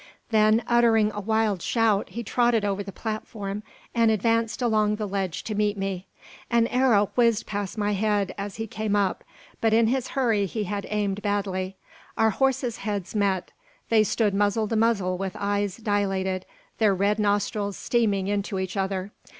Then, uttering a wild shout, he trotted over the platform, and advanced along the ledge to meet me. An arrow whizzed past my head as he came up; but in his hurry he had aimed badly. Our horses' heads met. They stood muzzle to muzzle with eyes dilated, their red nostrils steaming into each other.